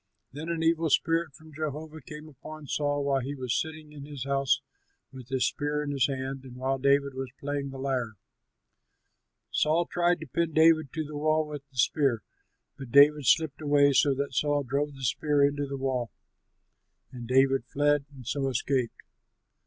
Then an evil spirit from Jehovah came upon Saul while he was sitting in his house with his spear in his hand and while David was playing on the lyre. Saul tried to pin David to the wall with the spear, but David slipped away so that Saul drove the spear into the wall; and David fled and so escaped.